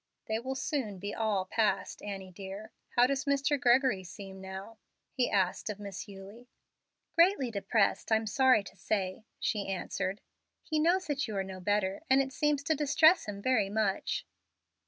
"They will soon be all past, Annie dear. How does Mr. Gregory seem now?" he asked of Miss Eulie. "Greatly depressed, I'm sorry to say," she answered. "He knows that you are no better, and it seems to distress him very much."